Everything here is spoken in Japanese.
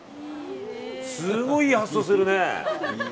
すごいいい発想するね。